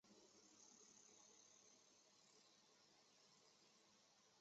毕业后任职于麻省理工学院斯龙内燃机实验室。